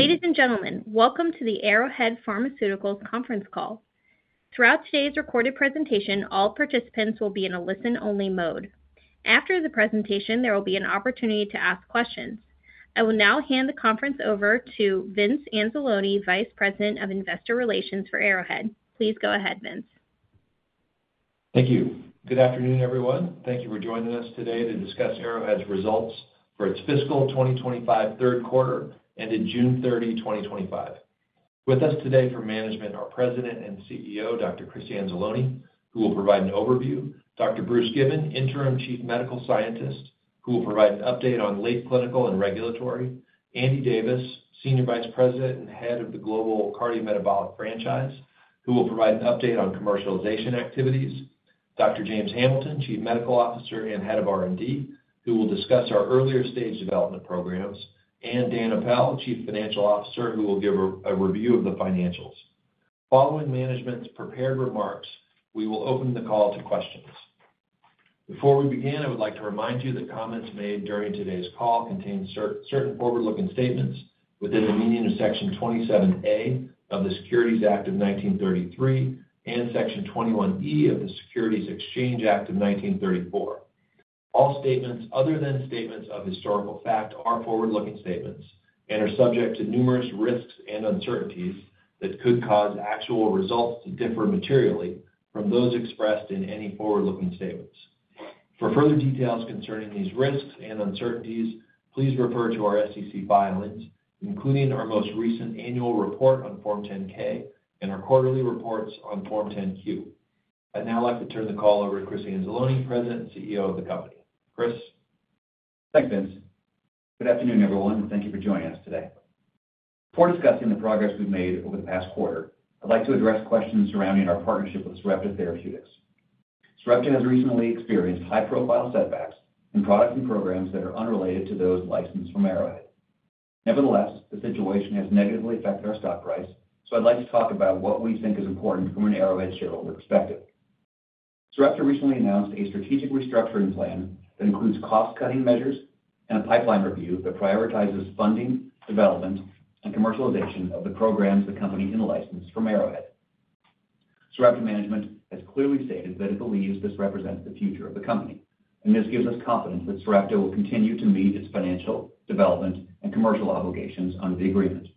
Ladies and gentlemen, welcome to the Arrowhead Pharmaceuticals conference call. Throughout today's recorded presentation, all participants will be in a listen-only mode. After the presentation, there will be an opportunity to ask questions. I will now hand the conference over to Vince Anzalone, Vice President of Investor Relations for Arrowhead. Please go ahead, Vince. Thank you. Good afternoon, everyone. Thank you for joining us today to discuss Arrowhead's results for its fiscal 2025 third quarter ended June 30, 2025. With us today for management are President and CEO Dr. Chris Anzalone, who will provide an overview, Dr. Bruce Given, Interim Chief Medical Scientist, who will provide an update on late clinical and regulatory, Andy Davis, Senior Vice President and Head of the Global Cardiometabolic Franchise, who will provide an update on commercialization activities, Dr. James Hamilton, Chief Medical Officer and Head of R&D, who will discuss our earlier stage development programs, and Dan Apel, Chief Financial Officer, who will give a review of the financials. Following management's prepared remarks, we will open the call to questions. Before we begin, I would like to remind you that comments made during today's call contain certain forward-looking statements within the meaning of Section 27A of the Securities Act of 1933 and Section 21E of the Securities Exchange Act of 1934. All statements, other than statements of historical fact, are forward-looking statements and are subject to numerous risks and uncertainties that could cause actual results to differ materially from those expressed in any forward-looking statements. For further details concerning these risks and uncertainties, please refer to our SEC filings, including our most recent annual report on Form 10-K and our quarterly reports on Form 10-Q. I'd now like to turn the call over to Chris Anzalone, President and CEO of the company. Chris? Thanks, Vince. Good afternoon, everyone, and thank you for joining us today. Before discussing the progress we've made over the past quarter, I'd like to address questions surrounding our partnership with Sarepta Therapeutics. Sarepta has recently experienced high-profile setbacks in products and programs that are unrelated to those licensed from Arrowhead. Nevertheless, the situation has negatively affected our stock price, so I'd like to talk about what we think is important from an Arrowhead shareholder perspective. Sarepta recently announced a strategic restructuring plan that includes cost-cutting measures and a pipeline review that prioritizes funding, development, and commercialization of the programs the company can license from Arrowhead. Sarepta management has clearly stated that it believes this represents the future of the company, and this gives us confidence that Sarepta will continue to meet its financial, development, and commercial obligations under the agreement.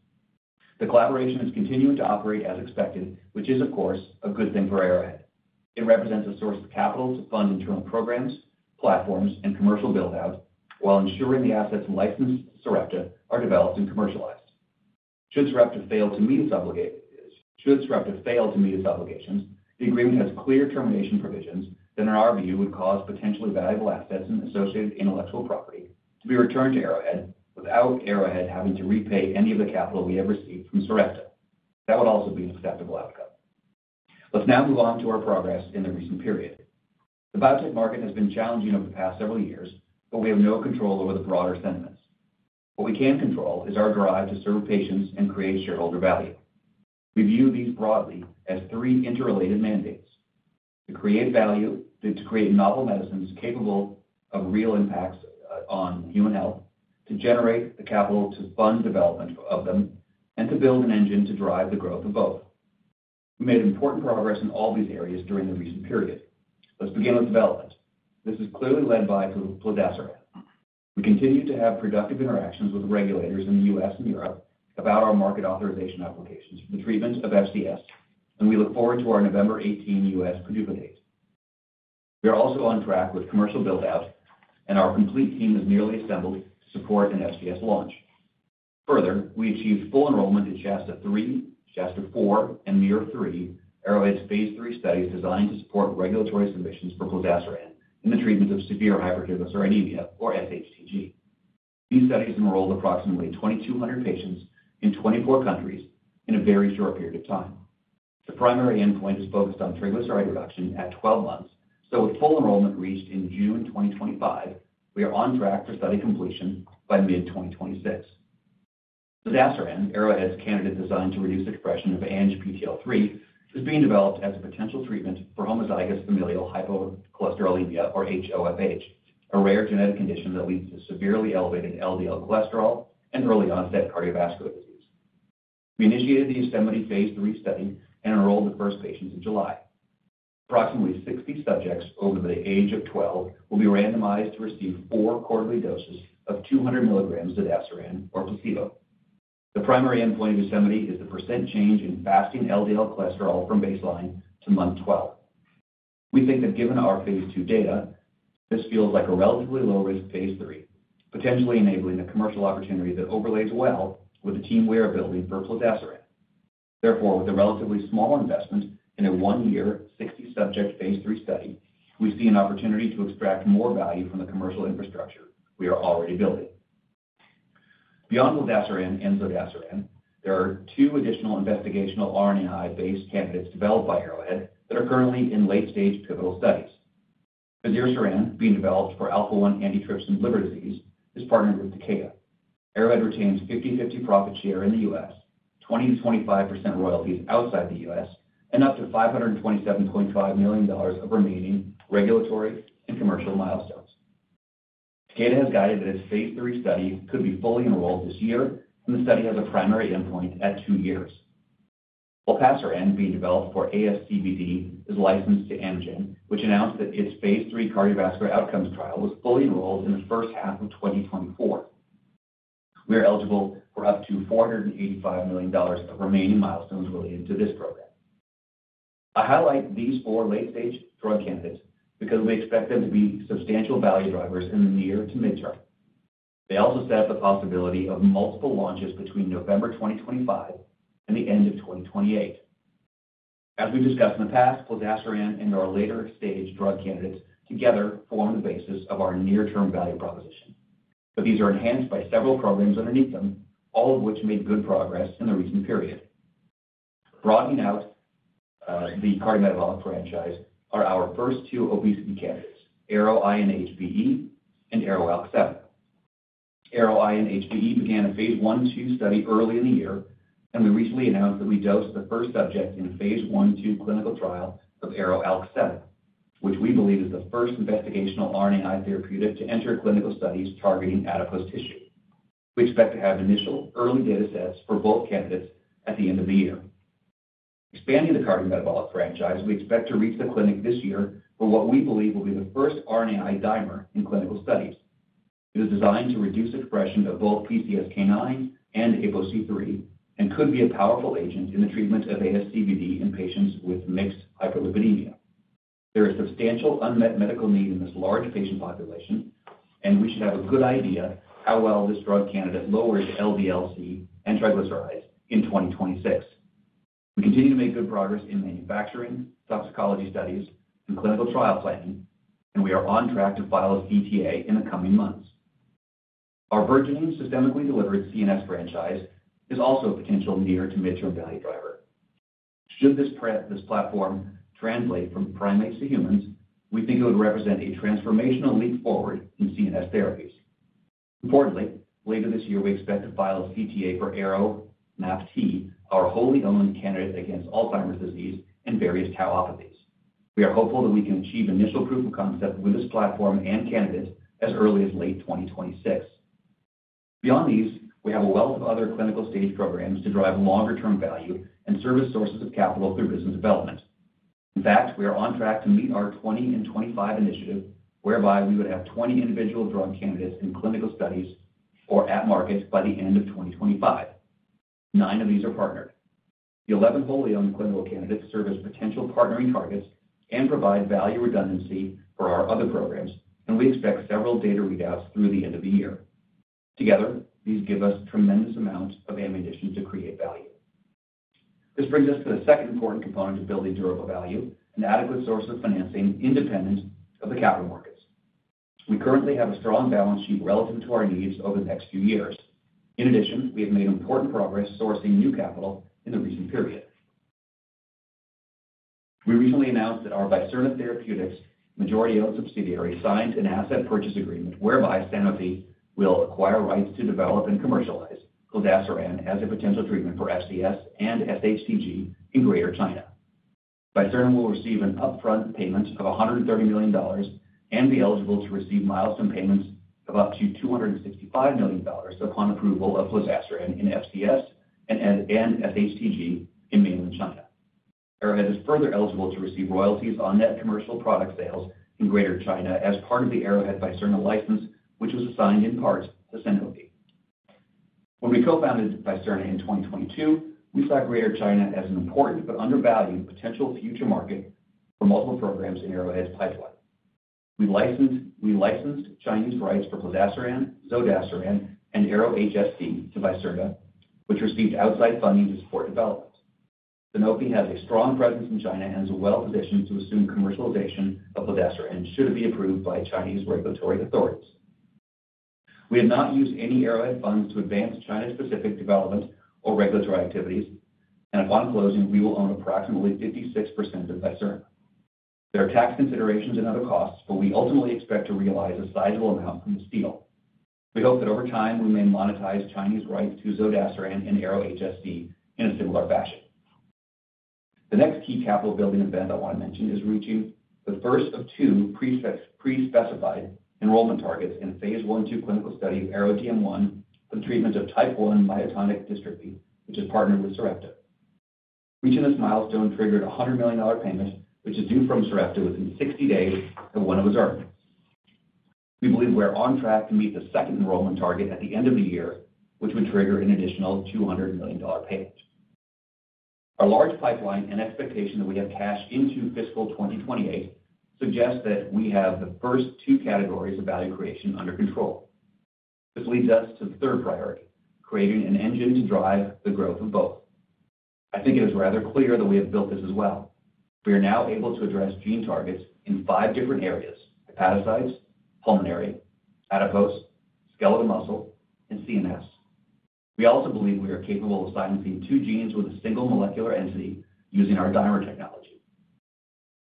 The collaboration has continued to operate as expected, which is, of course, a good thing for Arrowhead. It represents a source of capital to fund internal programs, platforms, and commercial buildouts while ensuring the assets licensed to Sarepta are developed and commercialized. Should Sarepta fail to meet its obligations, the agreement has clear termination provisions that, in our view, would cause potentially valuable assets and associated intellectual property to be returned to Arrowhead without Arrowhead having to repay any of the capital we have received from Sarepta. That would also be a positive outcome. Let's now move on to our progress in the recent period. The biotech market has been challenging over the past several years, but we have no control over the broader sentiments. What we can control is our drive to serve patients and create shareholder value. We view these broadly as three interrelated mandates: to create value, to create novel medicines capable of real impacts on human health, to generate the capital to fund development of them, and to build an engine to drive the growth of both. We made important progress in all these areas during the recent period. Let's begin with development. This is clearly led by plozasiran. We continue to have productive interactions with regulators in the U.S. and Europe about our market authorization applications for the treatment of FCS, and we look forward to our November 18 U.S. PDUFA dates. We are also on track with commercial buildout, and our complete team is nearly assembled to support an FCS launch. Further, we achieved full enrollment in SHASTA-3, SHASTA-4, and MUIR-3, Arrowhead's phase III studies designed to support regulatory submissions for plozasiran in the treatment of severe hypertriglyceridemia, or SHTG. These studies enrolled approximately 2,200 patients in 24 countries in a very short period of time. The primary endpoint is focused on triglyceride reduction at 12 months, so with full enrollment reached in June 2025, we are on track for study completion by mid-2026. Plozasiran, Arrowhead's candidate designed to reduce the expression of ANGPTL3, is being developed as a potential treatment for homozygous familial hypercholesterolemia, or HoFH, a rare genetic condition that leads to severely elevated LDL cholesterol and early-onset cardiovascular disease. We initiated the YOSEMITE phase III study and enrolled the first patients in July. Approximately 60 subjects over the age of 12 will be randomized to receive four quarterly doses of 200 milligrams of zodasiran, or placebo. The primary endpoint of YOSEMITE is the percentage change in fasting LDL cholesterol from baseline to month 12. We think that given our phase II data, this feels like a relatively low-risk phase III, potentially enabling a commercial opportunity that overlays well with the team we are building for plozasiran. Therefore, with a relatively small investment in a one-year, 60-subject phase III study, we see an opportunity to extract more value from the commercial infrastructure we are already building. Beyond plozasiran and zodasiran, there are two additional investigational RNAi-based candidates developed by Arrowhead that are currently in late-stage pivotal studies. Fazirsiran, being developed for alpha-1 antitrypsin liver disease, is partnered with Takeda. Arrowhead retains a 50/50 profit share in the U.S., 20% to 25% royalties outside the U.S., and up to $527.5 million of remaining regulatory and commercial milestones. Takeda has guided that its phase III study could be fully enrolled this year, and the study has a primary endpoint at two years. Olpasiran, being developed for ASCVD, is licensed to Amgen, which announced that its phase III cardiovascular outcomes trial was fully enrolled in the first half of 2024. We are eligible for up to $485 million of the remaining milestones related to this program. I highlight these four late-stage drug candidates because we expect them to be substantial value drivers in the near to mid-term. They also set up the possibility of multiple launches between November 2025 and the end of 2028. As we've discussed in the past, plozasiran and our later-stage drug candidates together form the basis of our near-term value proposition. These are enhanced by several cousins underneath them, all of which made good progress in the recent period. Broadening out the cardiometabolic franchise are our first two obesity candidates, ARO-INHBE and ARO-ALK7. ARO-INHBE began a phase I/II study early in the year, and we recently announced that we dosed the first subjects in a phase I/II clinical trial of ARO-ALK7, which we believe is the first investigational RNAi therapeutic to enter clinical studies targeting adipose tissue. We expect to have initial early datasets for both candidates at the end of the year. Expanding the cardiometabolic franchise, we expect to reach the clinic this year with what we believe will be the first RNAi dimer in clinical studies. It is designed to reduce expression of both PCSK9 and APOC3 and could be a powerful agent in the treatment of ASCVD in patients with mixed hyperlipidemia. There is substantial unmet medical need in this large patient population, and we should have a good idea how well this drug candidate lowers LDL-C and triglycerides in 2026. We continue to make good progress in manufacturing, toxicology studies, and clinical trial planning, and we are on track to file a CTA in the coming months. Our virtually and systemically delivered CNS franchise is also a potential near to mid-term value driver. Should this platform translate from primates to humans, we think it would represent a transformational leap forward in CNS therapies. Importantly, later this year, we expect to file a CTA for ARO-MAPT, our wholly owned candidate against Alzheimer's disease and various tauopathies. We are hopeful that we can achieve initial proof of concept with this platform and candidates as early as late 2026. Beyond these, we have a wealth of other clinical stage programs to drive longer-term value and serve as sources of capital for business development. In fact, we are on track to meet our 20 in 2025 initiative, whereby we would have 20 individual drug candidates in clinical studies or at market by the end of 2025. Nine of these are partnered. The 11 fully owned clinical candidates serve as potential partnering targets and provide value redundancy for our other programs, and we expect several data readouts through the end of the year. Together, these give us a tremendous amount of ammunition to create value. This brings us to the second important component of building durable value: an adequate source of financing independent of the capital markets. We currently have a strong balance sheet relative to our needs over the next few years. In addition, we have made important progress sourcing new capital in the recent period. We recently announced that our Visirna Therapeutics, majority-owned subsidiary, signed an asset purchase agreement whereby Sanofi will acquire rights to develop and commercialize plozasiran as a potential treatment for FCS and SHTG in Greater China. Visirna will receive an upfront payment of $130 million and be eligible to receive milestone payments of up to $265 million upon approval of plozasiran in FCS and SHTG in Mainland China. Arrowhead is further eligible to receive royalties on net commercial product sales in Greater China as part of the Arrowhead Visirna license, which was assigned in part to Sanofi. When we co-founded Visirna in 2022, we saw Greater China as an important but undervalued potential future market for multiple programs in Arrowhead's pipeline. We licensed Chinese rights for plozasiran, zodasiran, and ARO-HSD to Visirna, which received outside funding to support development. Sanofi has a strong presence in China and is well-positioned to assume commercialization of plozasiran should it be approved by Chinese regulatory authorities. We have not used any Arrowhead funds to advance China-specific development or regulatory activities, and upon closing, we will own approximately 56% of Visirna. There are tax considerations and other costs, but we ultimately expect to realize a sizable amount from this deal. We hope that over time we may monetize Chinese rights to zodasiran and ARO-HSD in a similar fashion. The next key capital-building event I want to mention is reaching the first of two pre-specified enrollment targets in phase I/II clinical study of ARO-DM1 for the treatment of type 1 myotonic dystrophy, which is partnered with Sarepta. Reaching this milestone triggered a $100 million payment, which is due from Sarepta within 60 days of one of its earnings. We believe we are on track to meet the second enrollment target at the end of the year, which would trigger an additional $200 million payment. Our large pipeline and expectation that we have cash into fiscal 2028 suggests that we have the first two categories of value creation under control. This leads us to the third priority: creating an engine to drive the growth of both. I think it is rather clear that we have built this as well. We are now able to address gene targets in five different areas: hepatocytes, pulmonary, adipose, skeletal muscle, and CNS. We also believe we are capable of silencing two genes with a single molecular entity using our dimer technology.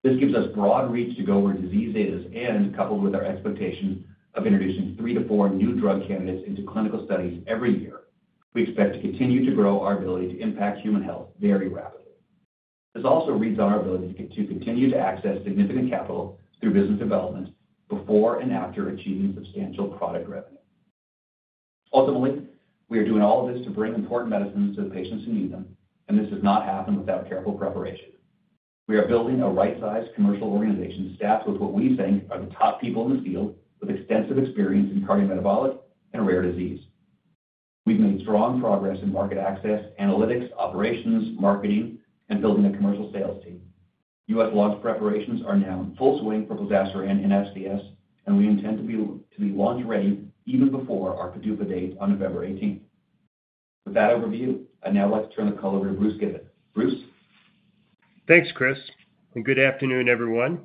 This gives us broad reach to go where disease is, and coupled with our expectation of introducing three to four new drug candidates into clinical studies every year, we expect to continue to grow our ability to impact human health very rapidly. This also reads on our ability to continue to access significant capital through business development before and after achieving substantial product revenue. Ultimately, we are doing all of this to bring important medicines to the patients who need them, and this does not happen without careful preparation. We are building a right-sized commercial organization staffed with what we think are the top people in the field with extensive experience in cardiometabolic and rare disease. We've made strong progress in market access, analytics, operations, marketing, and building a commercial sales team. New launch preparations are now full swing for plozasiran and FCS, and we intend to be launch ready even before our PDUFA date on February 18th. With that overview, now let's turn the call over to Bruce Given. Bruce? Thanks, Chris, and good afternoon, everyone.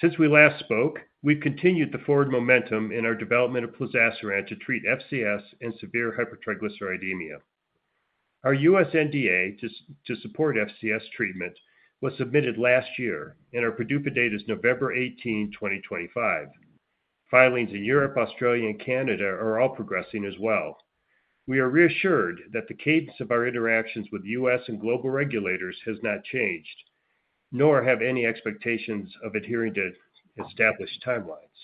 Since we last spoke, we've continued to forward momentum in our development of plozasiran to treat FCS and severe hypertriglyceridemia. Our U.S. NDA to support FCS treatment was submitted last year, and our PDUFA date is November 18, 2025. Filings in Europe, Australia, and Canada are all progressing as well. We are reassured that the cadence of our interactions with U.S. and global regulators has not changed, nor have any expectations of adhering to established timelines.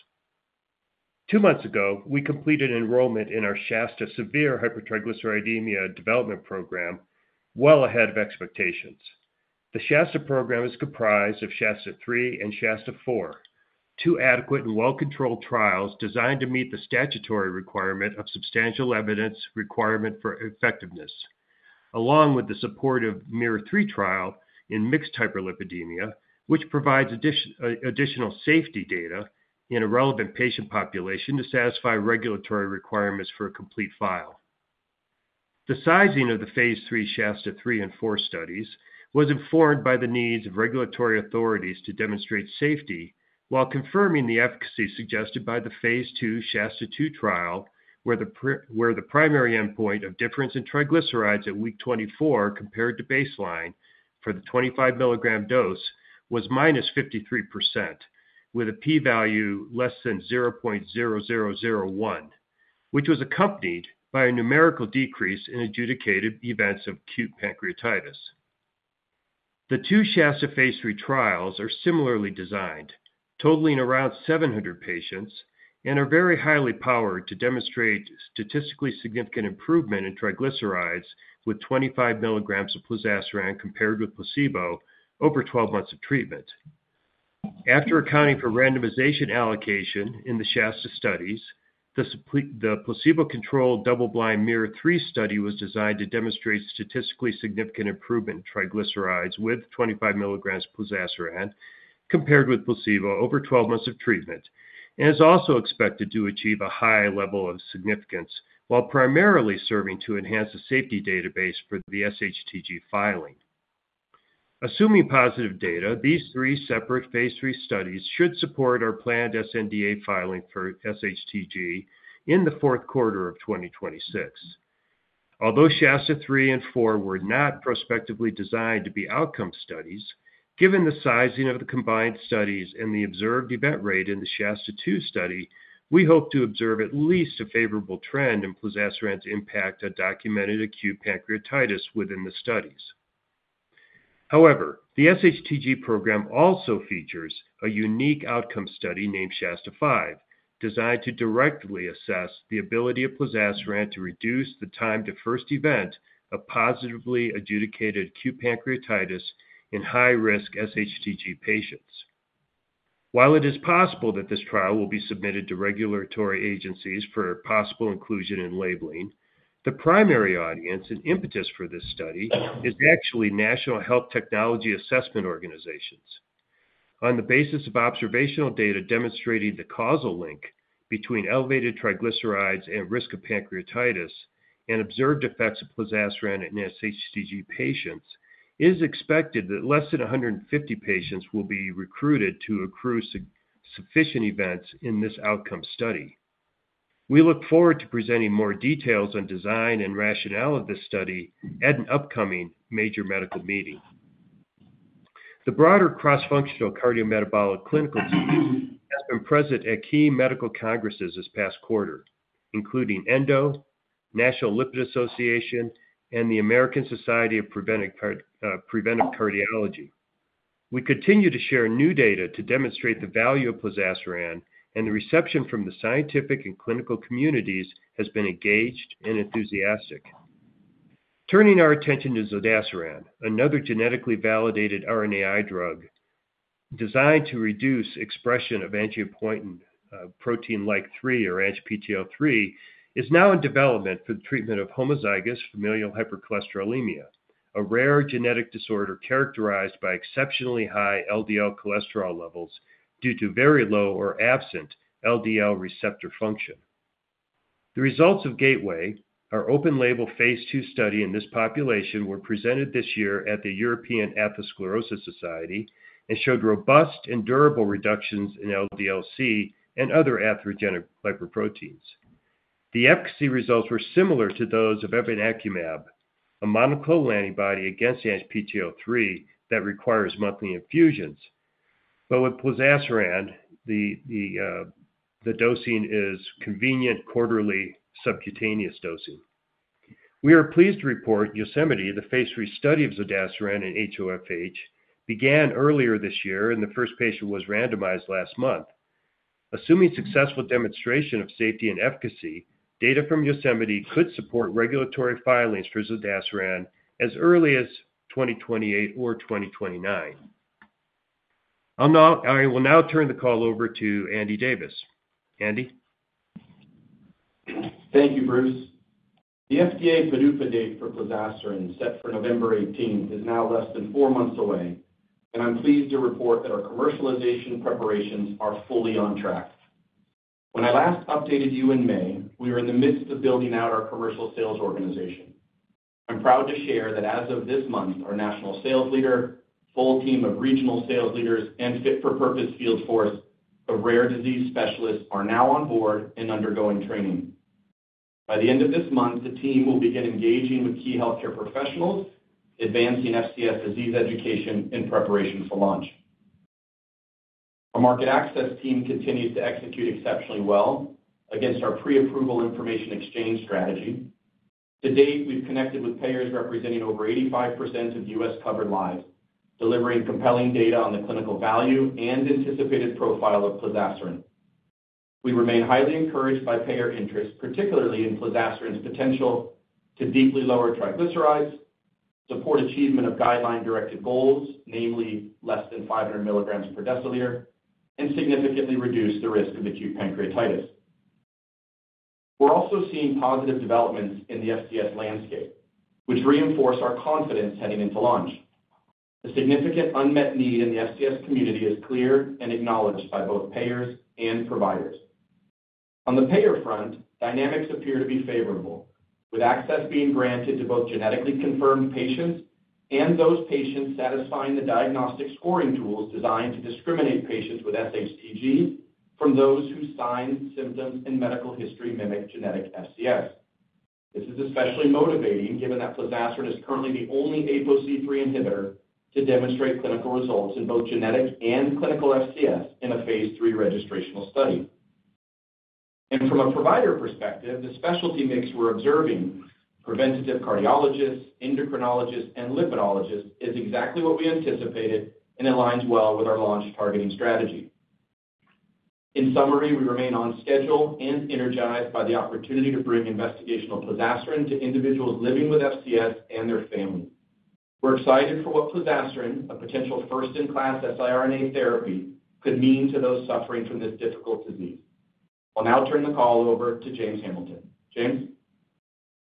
Two months ago, we completed enrollment in our SHASTA severe hypertriglyceridemia development program, well ahead of expectations. The SHASTA program is comprised of SHASTA-3 and SHASTA-4, two adequate and well-controlled trials designed to meet the statutory requirement of substantial evidence requirement for effectiveness, along with the supportive MUIR-3 trial in mixed hyperlipidemia, which provides additional safety data in a relevant patient population to satisfy regulatory requirements for a complete file. The sizing of the phase III SHASTA-3 and SHASTA-4 studies was informed by the needs of regulatory authorities to demonstrate safety while confirming the efficacy suggested by the phase II SHASTA-2 trial, where the primary endpoint of difference in triglycerides at week 24 compared to baseline for the 25 milligram dose was minus 53%, with a p-value less than 0.0001, which was accompanied by a numerical decrease in adjudicated events of acute pancreatitis. The two SHASTA phase III trials are similarly designed, totaling around 700 patients, and are very highly powered to demonstrate statistically significant improvement in triglycerides with 25 milligrams of plozasiran compared with placebo over 12 months of treatment. After accounting for randomization allocation in the SHASTA studies, the placebo-controlled double-blind MUIR-3 study was designed to demonstrate statistically significant improvement in triglycerides with 25 milligrams of plozasiran compared with placebo over 12 months of treatment and is also expected to achieve a high level of significance while primarily serving to enhance the safety database for the SHTG filing. Assuming positive data, these three separate phase III studies should support our planned sNDA filing for SHTG in the fourth quarter of 2026. Although SHASTA-3 and SHASTA-4 were not prospectively designed to be outcome studies, given the sizing of the combined studies and the observed event rate in the SHASTA-2 study, we hope to observe at least a favorable trend in plozasiran's impact on documented acute pancreatitis within the studies. However, the SHTG program also features a unique outcome study named SHASTA-5, designed to directly assess the ability of plozasiran to reduce the time to first event of positively adjudicated acute pancreatitis in high-risk SHTG patients. While it is possible that this trial will be submitted to regulatory agencies for possible inclusion in labeling, the primary audience and impetus for this study is actually National Health Technology Assessment Organizations. On the basis of observational data demonstrating the causal link between elevated triglycerides and risk of pancreatitis and observed effects of plozasiran in SHTG patients, it is expected that less than 150 patients will be recruited to accrue sufficient events in this outcome study. We look forward to presenting more details on design and rationale of this study at an upcoming major medical meeting. The broader cross-functional cardiometabolic clinical disease team has been present at key medical congresses this past quarter, including ENDO, National Lipid Association, and the American Society of Preventive Cardiology. We continue to share new data to demonstrate the value of plozasiran, and the reception from the scientific and clinical communities has been engaged and enthusiastic. Turning our attention to zodasiran, another genetically validated RNAi drug designed to reduce expression of angiopoietin-like protein 3, or ANGPTL3, is now in development for the treatment of homozygous familial hypercholesterolemia, a rare genetic disorder characterized by exceptionally high LDL cholesterol levels due to very low or absent LDL receptor function. The results of Gateway, our open-label phase II study in this population, were presented this year at the European Atherosclerosis Society and showed robust and durable reductions in LDL-C and other atherogenic lipoproteins. The efficacy results were similar to those of evinacumab, a monoclonal antibody against ANGPTL3 that requires monthly infusions, but with plozasiran, the dosing is convenient quarterly subcutaneous dosing. We are pleased to report YOSEMITE, the phase III study of zodasiran in HoFH, began earlier this year, and the first patient was randomized last month. Assuming successful demonstration of safety and efficacy, data from YOSEMITE could support regulatory filings for zodasiran as early as 2028 or 2029. I will now turn the call over to Andy Davis. Andy? Thank you, Bruce. The FDA PDUFA date for plozasiran set for November 18 is now less than four months away, and I'm pleased to report that our commercialization preparations are fully on track. When I last updated you in May, we were in the midst of building out our commercial sales organization. I'm proud to share that as of this month, our national sales leader, a whole team of regional sales leaders, and fit-for-purpose field force of rare disease specialists are now on board and undergoing training. By the end of this month, the team will begin engaging with key healthcare professionals, advancing FCS disease education, and preparation for launch. Our market access team continues to execute exceptionally well against our pre-approval information exchange strategy. To date, we've connected with payers representing over 85% of U.S. covered lives, delivering compelling data on the clinical value and anticipated profile of plozasiran. We remain highly encouraged by payer interest, particularly in plozasiran's potential to deeply lower triglycerides, support achievement of guideline-directed goals, namely less than 500 milligrams per deciliter, and significantly reduce the risk of acute pancreatitis. We're also seeing positive developments in the FCS landscape, which reinforce our confidence heading into launch. A significant unmet need in the FCS community is clear and acknowledged by both payers and providers. On the payer front, dynamics appear to be favorable, with access being granted to both genetically confirmed patients and those patients satisfying the diagnostic scoring tools designed to discriminate patients with SHTG from those whose signs, symptoms, and medical history mimic genetic FCS. This is especially motivating given that plozasiran is currently the only APOC3 inhibitor to demonstrate clinical results in both genetic and clinical FCS in a phase III registrational study. From a provider perspective, the specialty mix we're observing: preventative cardiologists, endocrinologists, and lipidologists is exactly what we anticipated and aligns well with our launch targeting strategy. In summary, we remain on schedule and energized by the opportunity to bring investigational plozasiran to individuals living with FCS and their families. We're excited for what plozasiran, a potential first-in-class siRNA therapy, could mean to those suffering from this difficult disease. I'll now turn the call over to James Hamilton. James?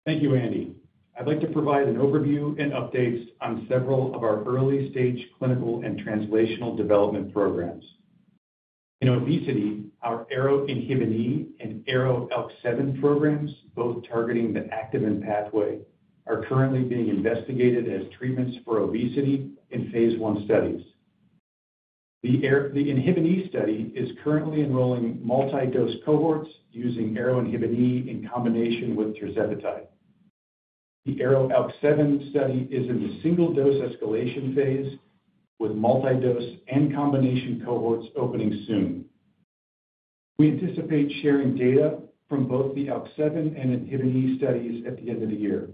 Thank you, Andy. I'd like to provide an overview and updates on several of our early-stage clinical and translational development programs. In obesity, our ARO-INHBE and ARO-ALK7 programs, both targeting the activin pathway, are currently being investigated as treatments for obesity in phase one studies. The INHBE study is currently enrolling multi-dose cohorts using ARO-INHBE in combination with tirzepatide. The ARO-ALK7 study is in the single-dose escalation phase, with multi-dose and combination cohorts opening soon. We anticipate sharing data from both the ALK7 and INHBE studies at the end of the year.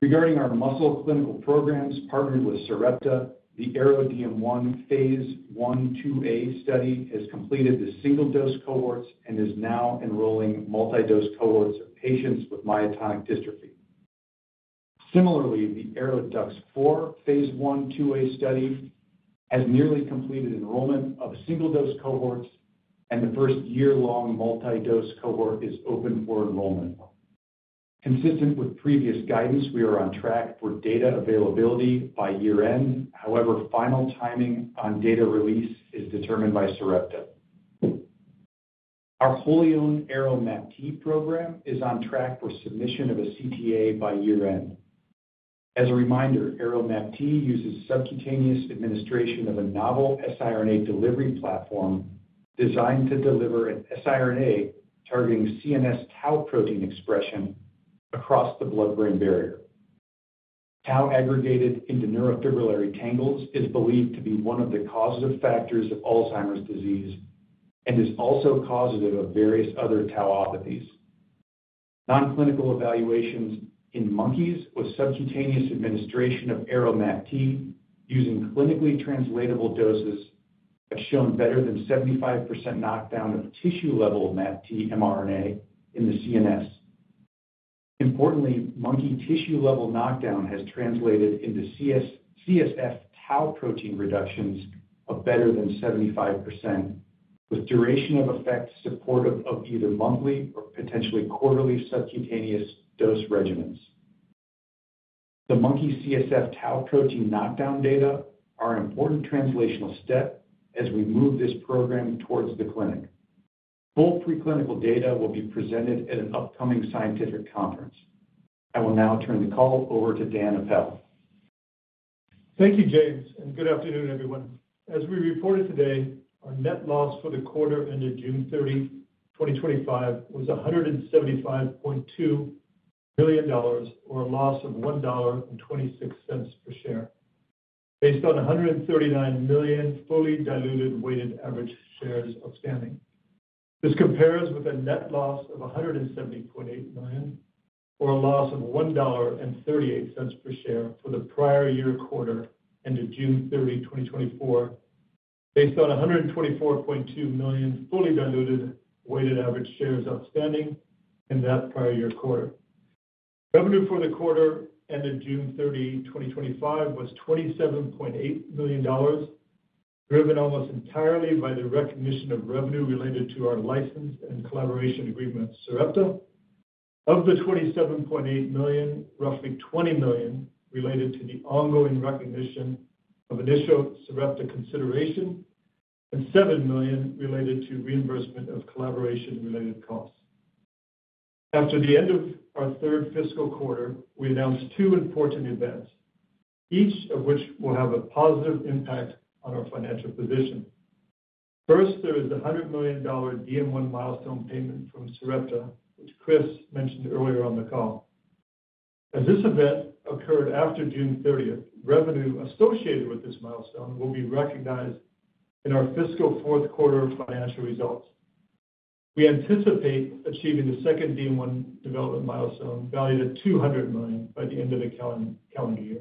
Regarding our muscle clinical programs partnered with Sarepta, the ARO-DM1 phase I/II-A study has completed the single-dose cohorts and is now enrolling multi-dose cohorts of patients with myotonic dystrophy. Similarly, the ARO-DUX4 phase I/II-A study has nearly completed enrollment of single-dose cohorts, and the first year-long multi-dose cohort is open for enrollment. Consistent with previous guidance, we are on track for data availability by year-end. However, final timing on data release is determined by Sarepta. Our wholly owned ARO-MAPT program is on track for submission of a CTA by year-end. As a reminder, ARO-MAPT uses subcutaneous administration of a novel siRNA delivery platform designed to deliver an siRNA targeting CNS tau protein expression across the blood-brain barrier. Tau aggregated into neurofibrillary tangles is believed to be one of the causative factors of Alzheimer's disease and is also causative of various other tauopathies. Non-clinical evaluations in monkeys with subcutaneous administration of ARO-MAPT using clinically translatable doses have shown better than 75% knockdown of tissue-level MAPT mRNA in the CNS. Importantly, monkey tissue-level knockdown has translated into CSF tau protein reductions of better than 75%, with duration of effect supportive of either monthly or potentially quarterly subcutaneous dose regimens. The monkey CSF tau protein knockdown data are an important translational step as we move this program towards the clinic. Both preclinical data will be presented at an upcoming scientific conference. I will now turn the call over to Dan Apel. Thank you, James, and good afternoon, everyone. As we reported today, our net loss for the quarter ended June 30, 2025, was $175.2 million, or a loss of $1.26 per share. Based on $139 million fully diluted weighted average shares outstanding, this compares with a net loss of $170.8 million, or a loss of $1.38 per share for the prior year quarter ended June 30, 2024, based on $124.2 million fully diluted weighted average shares outstanding in that prior year's quarter. Revenue for the quarter ended June 30, 2025, was $27.8 million, driven almost entirely by the recognition of revenue related to our license and collaboration agreement with Sarepta. Of the $27.8 million, roughly $20 million related to the ongoing recognition of initial Sarepta consideration and $7 million related to reimbursement of collaboration-related costs. After the end of our third fiscal quarter, we announced two important events, each of which will have a positive impact on our financial position. First, there is the $100 million DM1 milestone payment from Sarepta, as Chris mentioned earlier on the call. As this event occurred after June 30th, revenue associated with this milestone will be recognized in our fiscal fourth quarter financial results. We anticipate achieving the second DM1 development milestone valued at $200 million by the end of the calendar year.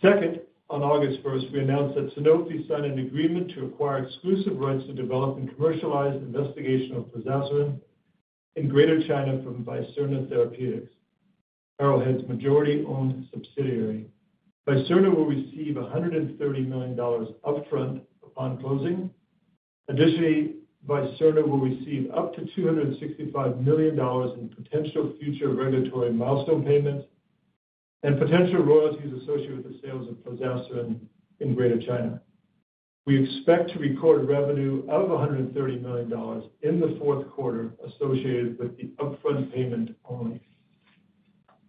Second, on August 1st, we announced that Sanofi signed an agreement to acquire exclusive rights to develop and commercialize investigational plozasiran in Greater China from Visirna Therapeutics, Arrowhead's majority-owned subsidiary. Visirna will receive $130 million upfront upon closing. Additionally, Visirna will receive up to $265 million in potential future regulatory milestone payments and potential royalties associated with the sales of plozasiran in Greater China. We expect to record revenue of $130 million in the fourth quarter associated with the upfront payment only.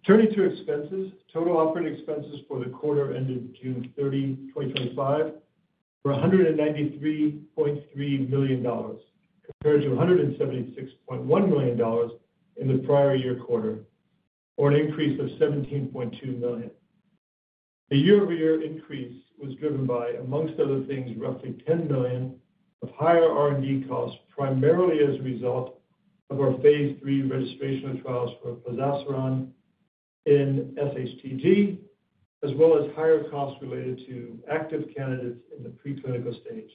Turning to expenses, total operating expenses for the quarter ended June 30, 2025, were $193.3 million compared to $176.1 million in the prior year quarter, or an increase of $17.2 million. The year-over-year increase was driven by, amongst other things, roughly $10 million of higher R&D costs, primarily as a result of our phase III registrational trials for plozasiran and SHTG, as well as higher costs related to active candidates in the preclinical stage.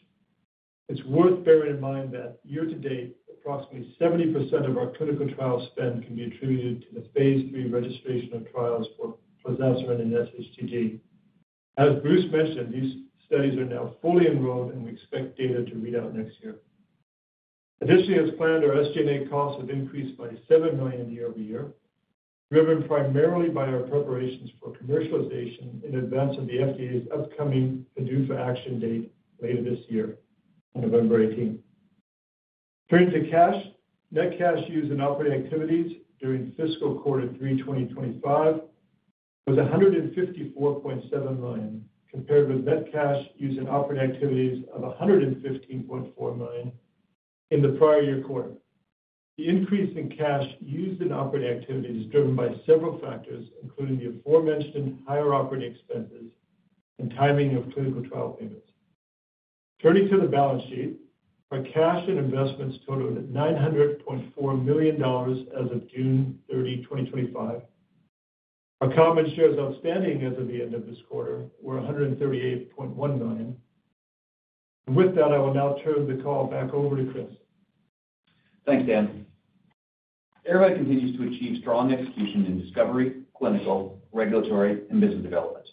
It's worth bearing in mind that year to date, approximately 70% of our clinical trial spend can be attributed to the phase III registration trials plozasiran and SHTG. As Bruce mentioned, these studies are now fully enrolled, and we expect data to read out next year. Additionally, as planned, our SG&A costs have increased by $7 million year-over-year, driven primarily by our preparations for commercialization in advance of the FDA's upcoming PDUFA action date later this year, on November 18. Turning to cash, net cash used in operating activities during fiscal quarter three, 2025, was $154.7 million, compared with net cash used in operating activities of $115.4 million in the prior year quarter. The increase in cash used in operating activities is driven by several factors, including the aforementioned higher operating expenses and timing of clinical trial payments. Turning to the balance sheet, our cash and investments totaled $900.4 million as of June 30, 2025. Our common shares outstanding as of the end of this quarter were $138.1 million. With that, I will now turn the call back over to Chris. Thanks, Dan. Arrowhead continues to achieve strong execution in discovery, clinical, regulatory, and business development.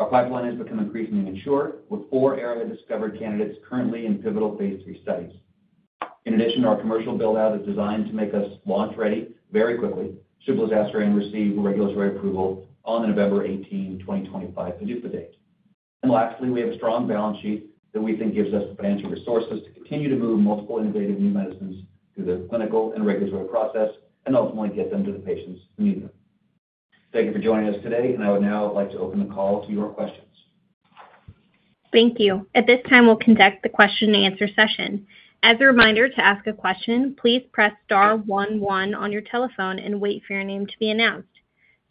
Our pipeline has become increasingly short, with four Arrowhead Discover candidates currently in pivotal phase III studies. In addition, our commercial buildout is designed to make us launch ready very quickly should plozasiran receive regulatory approval on the November 18, 2025 PDUFA date. Lastly, we have a strong balance sheet that we think gives us the financial resources to continue to move multiple innovative new medicines through the clinical and regulatory process and ultimately get them to the patients who need them. Thank you for joining us today, and I would now like to open the call to your questions. Thank you. At this time, we'll conduct the question and answer session. As a reminder, to ask a question, please press star one one on your telephone and wait for your name to be announced.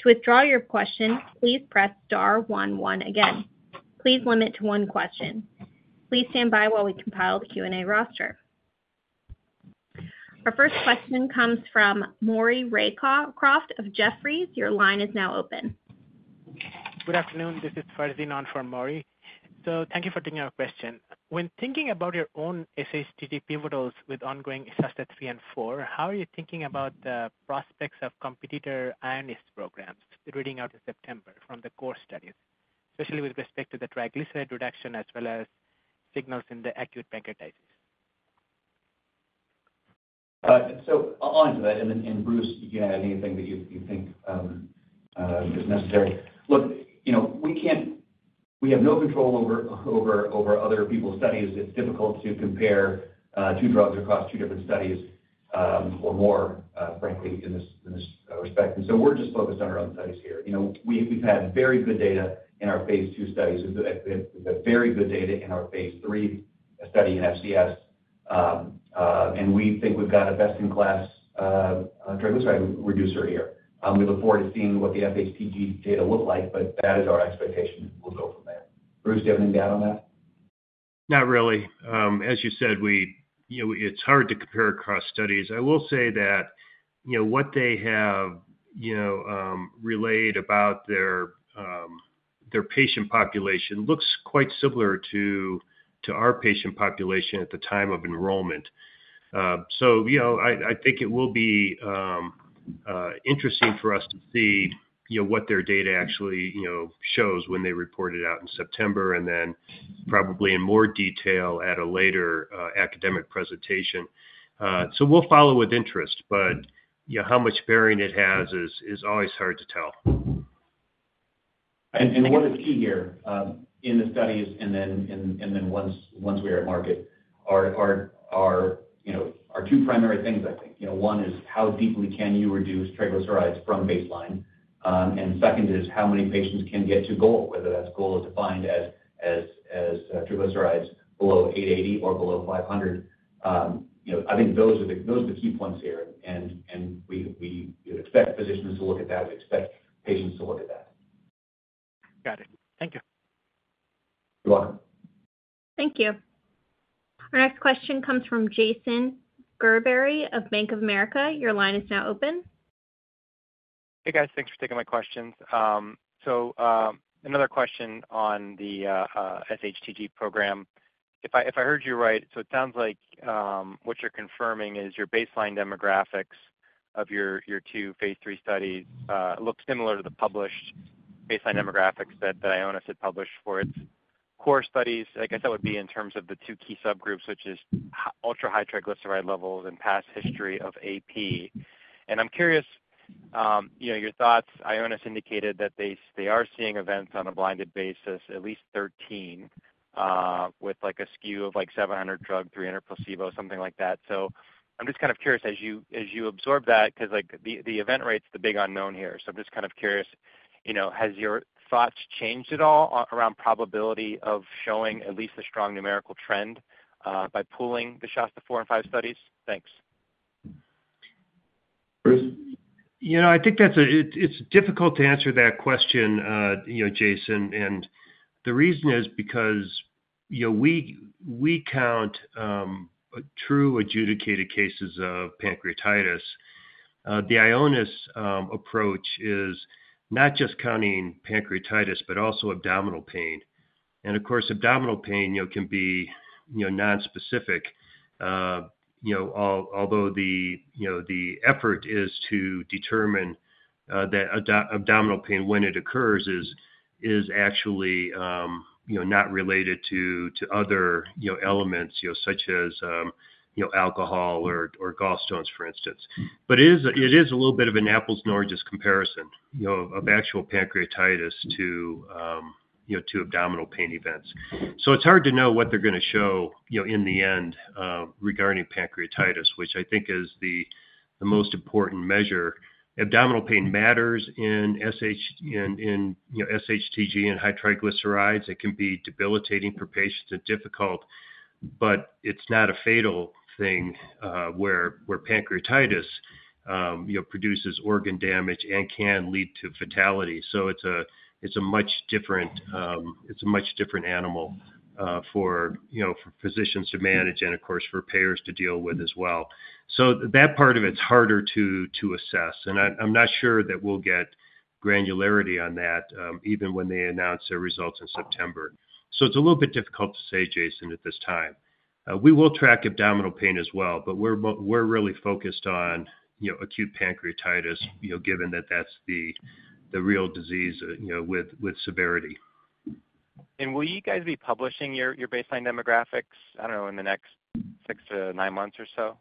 To withdraw your question, please press star one one again. Please limit to one question. Please stand by while we compile the Q&A roster. Our first question comes from Maury Raycroft of Jefferies. Your line is now open. Good afternoon. This is Farzin on for Maury. Thank you for taking our question. When thinking about your own SHTG pivotals with ongoing SHASTA-3 and SHASTA-4, how are you thinking about the prospects of competitor programs reading out in September from the core studies, especially with respect to the triglyceride reduction as well as signals in the acute pancreatitis? I'll answer that, and then Bruce, if you have anything that you think is necessary. We can't, we have no control over other people's studies. It's difficult to compare two drugs across two different studies or more, frankly, in this respect. We're just focused on our own studies here. We've had very good data in our phase two studies. We've got very good data in our phase three study in FCS, and we think we've got a best-in-class triglyceride reducer here. We look forward to seeing what the FHTG data look like, but that is our expectation, and we'll go from there. Bruce, do you have anything to add on that? Not really. As you said, it's hard to compare across studies. I will say that what they have relayed about their patient population looks quite similar to our patient population at the time of enrollment. I think it will be interesting for us to see what their data actually shows when they report it out in September and then probably in more detail at a later academic presentation. We'll follow with interest, but how much bearing it has is always hard to tell. What is key here in the studies and then once we are at market are our two primary things, I think. One is how deeply can you reduce triglycerides from baseline, and second is how many patients can get to goal, whether that's goal defined as triglycerides below 880 or below 500. I think those are the key points here, and we would expect physicians to look at that and expect patients to look at that. Got it. Thank you. You're welcome. Thank you. Our next question comes from Jason Gerberry of Bank of America. Your line is now open. Hey, guys. Thanks for taking my questions. Another question on the SHTG program. If I heard you right, it sounds like what you're confirming is your baseline demographics of your two phase III studies look similar to the published baseline demographics that Ionis had published for its core studies. I guess that would be in terms of the two key subgroups, which is ultra-high triglyceride levels and past history of AP. I'm curious, you know, your thoughts. Ionis indicated that they are seeing events on a blinded basis, at least 13, with a skew of like 700 drug, 300 placebo, something like that. I'm just kind of curious, as you absorb that, because the event rate's the big unknown here. I'm just kind of curious, you know, has your thoughts changed at all around probability of showing at least a strong numerical trend, by pooling the SHASTA-4 and SHASTA-5 studies? Thanks. You know. I think that's a it's difficult to answer that question, you know, Jason. The reason is because we count true adjudicated cases of pancreatitis. The Ionis approach is not just counting pancreatitis, but also abdominal pain. Of course, abdominal pain can be nonspecific. Although the effort is to determine that abdominal pain when it occurs is actually not related to other elements, such as alcohol or gallstones, for instance. It is a little bit of an apples and oranges comparison of actual pancreatitis to abdominal pain events. It's hard to know what they're going to show in the end regarding pancreatitis, which I think is the most important measure. Abdominal pain matters in SHTG and high triglycerides. It can be debilitating for patients and difficult, but it's not a fatal thing, where pancreatitis produces organ damage and can lead to fatality. It's a much different animal for physicians to manage and, of course, for payers to deal with as well. That part of it's harder to assess. I'm not sure that we'll get granularity on that, even when they announce their results in September. It's a little bit difficult to say, Jason, at this time. We will track abdominal pain as well, but we're really focused on acute pancreatitis, given that that's the real disease with severity. Will you guys be publishing your baseline demographics, I don't know, in the next six to nine months or so?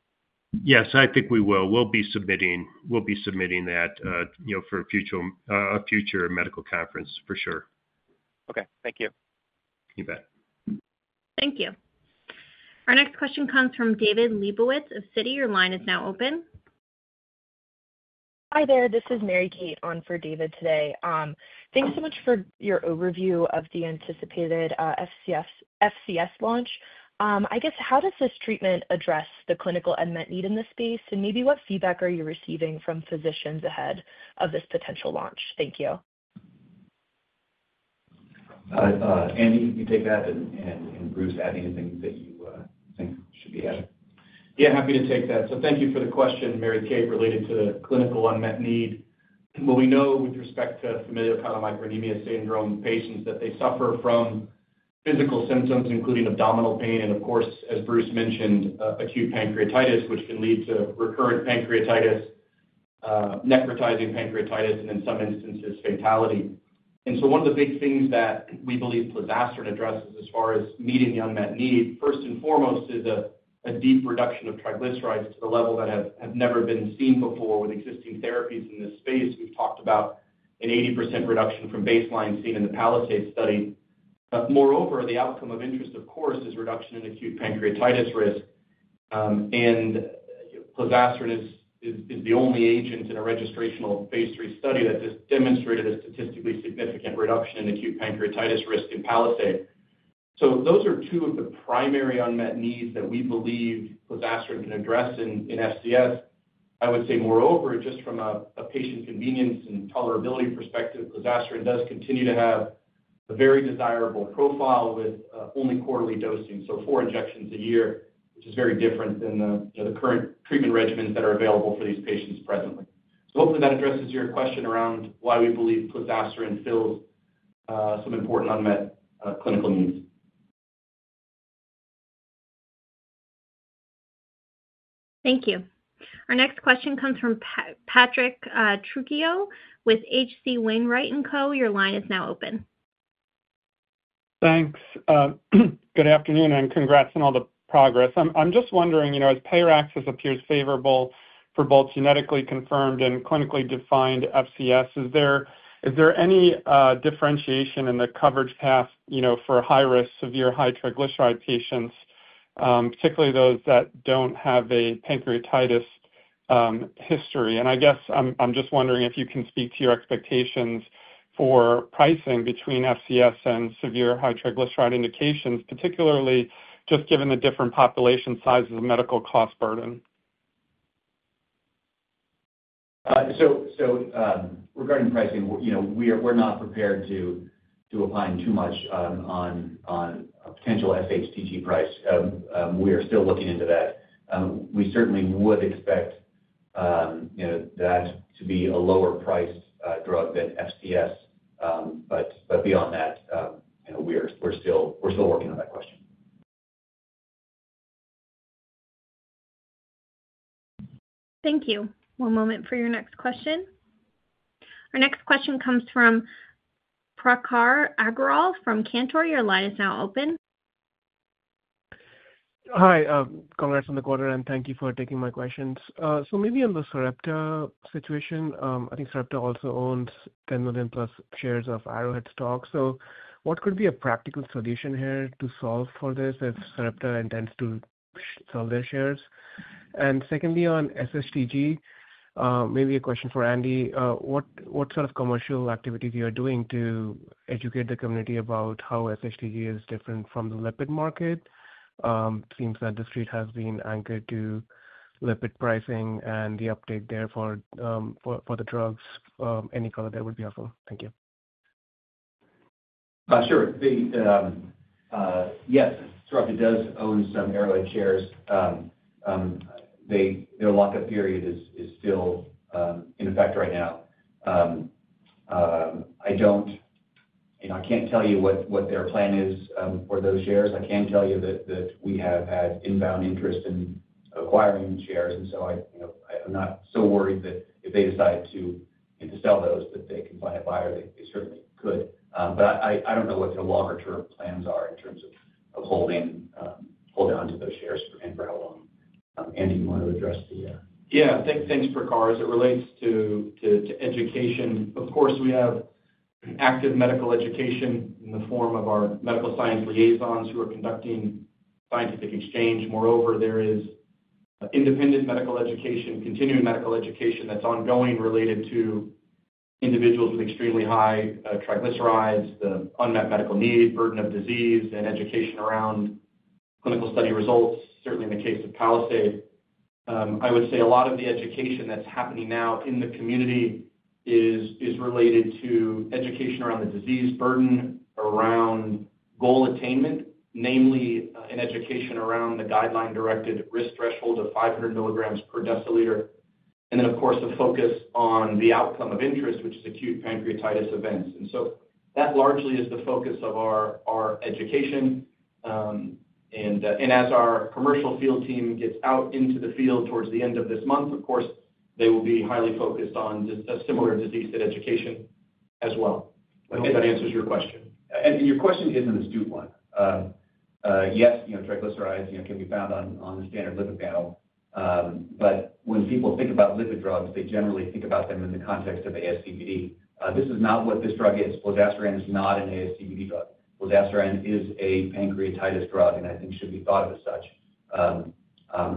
Yes, I think we will. We'll be submitting that, you know, for a future medical conference, for sure. Okay, thank you. You bet. Thank you. Our next question comes from David Lebowitz of Citi. Your line is now open. Hi there. This is Mary Kate on for David today. Thanks so much for your overview of the anticipated FCS launch. I guess, how does this treatment address the clinical unmet need in this space, and maybe what feedback are you receiving from physicians ahead of this potential launch? Thank you. Andy, can you take that, and Bruce, add anything that you think should be added? Yeah, happy to take that. Thank you for the question, Mary Kate, related to the clinical unmet need. We know with respect to familial chylomicronemia syndrome patients that they suffer from physical symptoms, including abdominal pain and, of course, as Bruce mentioned, acute pancreatitis, which can lead to recurrent pancreatitis, necrotizing pancreatitis, and in some instances, fatality. One of the big things that we believe plozasiran addresses as far as meeting the unmet need, first and foremost, is a deep reduction of triglycerides to a level that has never been seen before with existing therapies in this space. We've talked about an 80% reduction from baseline seen in the PALISADE study. Moreover, the outcome of interest, of course, is reduction in acute pancreatitis risk. Plozasiran is the only agent in a registrational phase III study that just demonstrated a statistically significant reduction in acute pancreatitis risk in PALISADE. Those are two of the primary unmet needs that we believe plozasiran can address in FCS. I would say, moreover, just from a patient convenience and tolerability perspective, plozasiran does continue to have a very desirable profile with only quarterly dosing, so four injections a year, which is very different than the current treatment regimens that are available for these patients presently. Hopefully, that addresses your question around why we believe plozasiran fills some important unmet clinical needs. Thank you. Our next question comes from Patrick Trucchio with H.C. Wainwright & Co. Your line is now open. Thanks. Good afternoon, and congrats on all the progress. I'm just wondering, as payer access appears favorable for both genetically confirmed and clinically defined FCS, is there any differentiation in the coverage path for high-risk, severe, high-triglyceride patients, particularly those that don't have a pancreatitis history? I guess I'm just wondering if you can speak to your expectations for pricing between FCS and severe high-triglyceride indications, particularly given the different population sizes of medical cost burden. Regarding pricing, we're not prepared to apply too much on potential SHTG price. We are still looking into that. We certainly would expect that to be a lower priced drug than FCS. Beyond that, we're still working on it. Thank you. One moment for your next question. Our next question comes from Prakhar Agrawal from Cantor. Your line is now open. Hi. Congrats on the quarter, and thank you for taking my questions. On the Sarepta situation, I think Sarepta also owns $10+ million shares of Arrowhead stock. What could be a practical solution here to solve for this if Sarepta intends to sell their shares? Secondly, on SHTG, maybe a question for Andy. What sort of commercial activities are you doing to educate the community about how SHTG is different from the lipid market? It seems that the street has been anchored to lipid pricing and the uptake there for the drugs. Any color there would be helpful. Thank you. Sure. Yes, Sarepta does own some Arrowhead shares. Their locked-up period is still in effect right now. I can't tell you what their plan is for those shares. I can tell you that we have had inbound interest in acquiring shares. I'm not so worried that if they decide to sell those, they could buy it or they certainly could. I don't know what their longer-term plans are in terms of holding and holding onto those shares for any very long. Andy, you want to address there? Yeah. Thanks, Prakhar. As it relates to education, of course, we have an active medical education in the form of our medical science liaisons who are conducting scientific exchange. Moreover, there is an independent medical education, continuing medical education that's ongoing related to individuals with extremely high triglycerides, the unmet medical need, burden of disease, and education around clinical study results, certainly in the case of [plozasiran]. I would say a lot of the education that's happening now in the community is related to education around the disease burden, around goal attainment, namely an education around the guideline-directed risk threshold of 500 milligrams per deciliter, and then, of course, a focus on the outcome of interest, which is acute pancreatitis events. That largely is the focus of our education. As our commercial field team gets out into the field towards the end of this month, of course, they will be highly focused on a similar disease state education as well. I think that answers your question. Your question isn't as stupid. Yes, you know, triglycerides can be found on the standard lipid panel. When people think about lipid drugs, they generally think about them in the context of ASCVD. This is not what this drug is. Plozasiran is not an ASCVD drug. Plozasiran is a pancreatitis drug, and I think it should be thought of as such,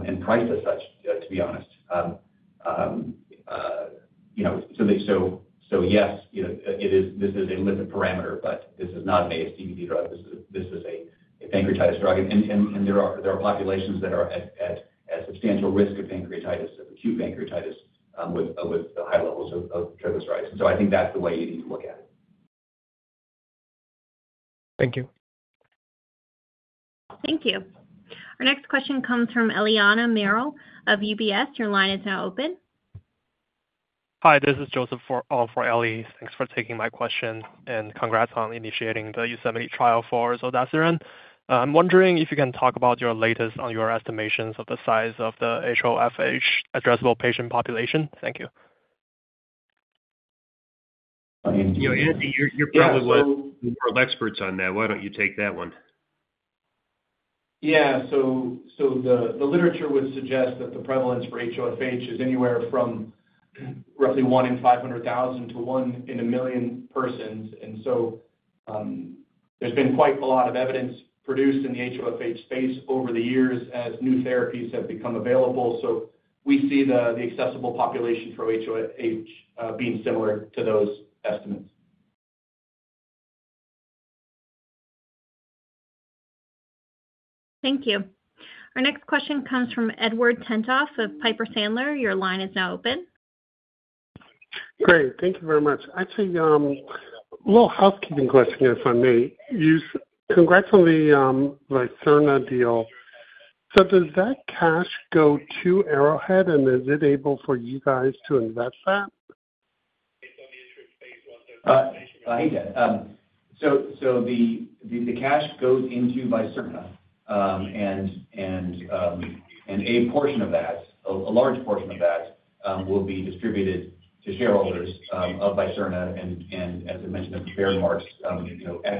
and priced as such, to be honest. Yes, this is a lipid parameter, but this is not an ASCVD drug. This is a pancreatitis drug. There are populations that are at substantial risk of pancreatitis, acute pancreatitis, with high levels of triglycerides. I think that's the way you need to look at it. Thank you. Thank you. Our next question comes from Eliana Merle of UBS. Your line is now open. Hi. This is Joseph for Eli. Thanks for taking my question, and congrats on initiating the YOSEMITE trial for plozasiran. I'm wondering if you can talk about your latest on your estimations of the size of the HoFH addressable patient population. Thank you. Andy, you probably would be more of an expert on that. Why don't you take that one? Yeah. The literature would suggest that the prevalence for HoFH is anywhere from roughly one in 500,000 to one in a million persons. There's been quite a lot of evidence produced in the HoFH space over the years as new therapies have become available. We see the accessible population for HoFH being similar to those estimates. Thank you. Our next question comes from Edward Tenthoff of Piper Sandler. Your line is now open. Great. Thank you very much. I'd say a little housekeeping question, if I may. Congrats on the Visirna deal. Does that cash go to Arrowhead, and is it able for you guys to invest that? The cash goes into Visirna, and a portion of that, a large portion of that, will be distributed to shareholders of Visirna. As I mentioned, at the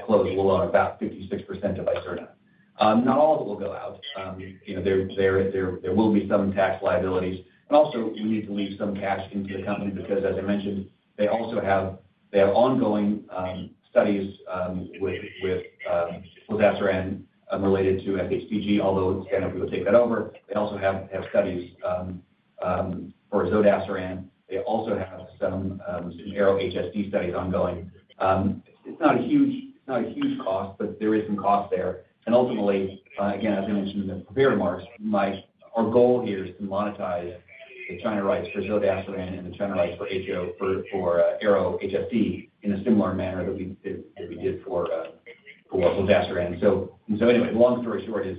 close, we'll own about 56% of Visirna. Not all of it will go out. There will be some tax liabilities, but also, we need to leave some cash in the company because, as I mentioned, they also have ongoing studies with plozasiran related to SHTG. Although it's standup, we will take that over. They also have studies for zodasiran. They also have some ARO-HSD studies ongoing. It's not a huge cost, but there is some cost there. Ultimately, as I mentioned, our goal here is to monetize the China rights for zodasiran and the China rights for ARO-HSD in a similar manner that we did for zodasiran. The long story short is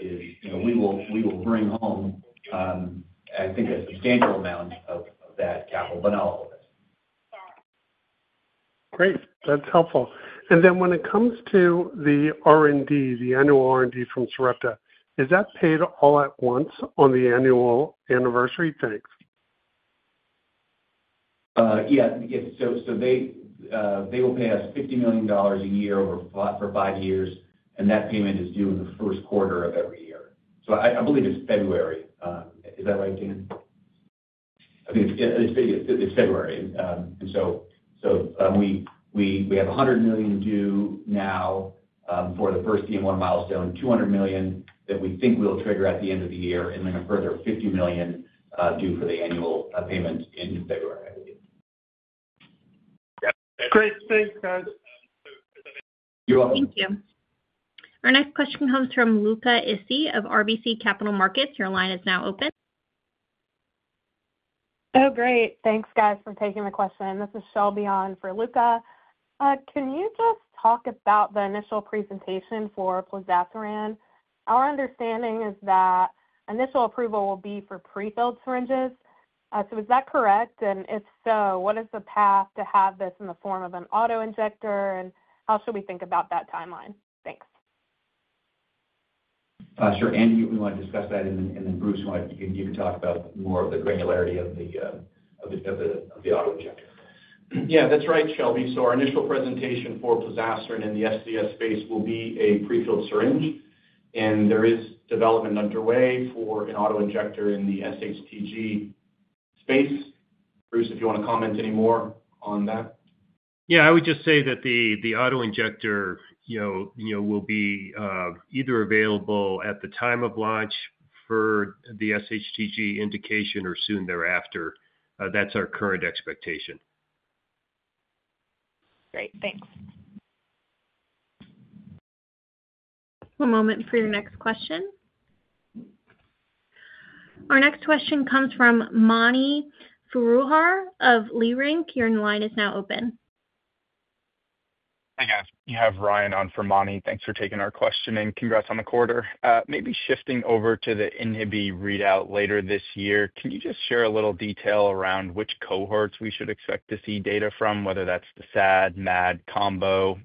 we will bring home, I think, a substantial amount of that capital, but not all of it. Great. That's helpful. When it comes to the R&D, the annual R&D from Sarepta, is that paid all at once on the annual anniversary? Thanks. Yes. They will pay us $50 million a year for five years, and that payment is due in the first quarter of every year. I believe it's February. Is that right, Dan? I mean, it's February. We have $100 million due now for the first DM1 milestone, $200 million that we think we'll trigger at the end of the year, and then a further $50 million due for the annual payment in February. Great. Thanks, guys. You're welcome. Thank you. Our next question comes from Luca Issi of RBC Capital Markets. Your line is now open. Oh, great. Thanks, guys, for taking the question. This is Shelby on for Luca. Can you just talk about the initial presentation for plozasiran? Our understanding is that initial approval will be for prefilled syringes. Is that correct? If so, what is the path to have this in the form of an autoinjector, and how should we think about that timeline? Thanks. Sure. Andy, we want to discuss that, and then Bruce, you can talk about more of the granularity of the autoinjector. That's right, Shelby. Our initial presentation for plozasiran in the FCS space will be a prefilled syringe, and there is development underway for an autoinjector in the SHTG space. Bruce, if you want to comment any more on that. I would just say that the autoinjector will be either available at the time of launch for the SHTG indication or soon thereafter. That's our current expectation. Great. Thanks. One moment for your next question. Our next question comes from Mani Foroohar of Leerink. Your line is now open. Hi, guys. You have Ryan on for Mani. Thanks for taking our question, and congrats on the quarter. Maybe shifting over to the INHBE readout later this year, can you just share a little detail around which cohorts we should expect to see data from, whether that's the SAD, MAD, combo?